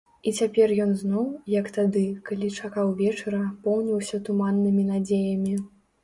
І цяпер ён зноў, як тады, калі чакаў вечара, поўніўся туманнымі надзеямі.